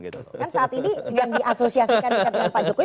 kan saat ini yang diasosiasikan dekat dengan pak jokowi